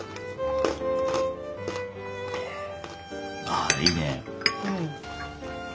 あいいね。